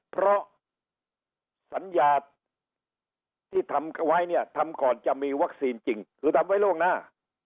เพราะสัญญาที่ทำไว้เนี่ยทำก่อนจะมีวัคซีนจริงคือทำไว้ล่วงหน้า